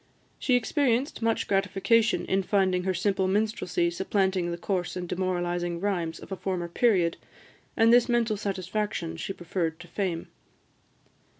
She experienced much gratification in finding her simple minstrelsy supplanting the coarse and demoralising rhymes of a former period; and this mental satisfaction she preferred to fame.